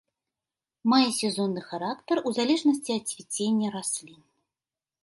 Мае сезонны характар у залежнасці ад цвіцення раслін.